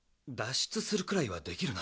しゅつするくらいはできるな。